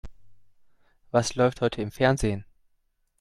Was läuft heute im Fernsehen?